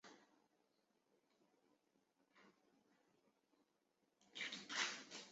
类似定义可以照搬至右模的情况。